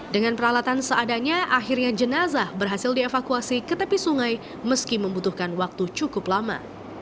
dengan peralatan seadanya akhirnya jenazah berhasil dievakuasi ke tepi sungai meski membutuhkan waktu cukup lama